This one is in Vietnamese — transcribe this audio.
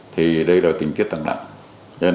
thì đây là tình tiết tăng đẳng